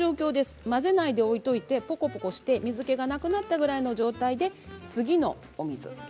混ぜないで置いといてポコポコして水けがなくなったぐらいの状態で次の水です。